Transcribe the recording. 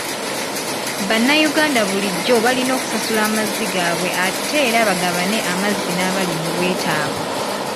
Bannayuganda bulijjo balina okusasula amazzi gaabwe ate era bagabane amazzi n'abali mu bwetaavu.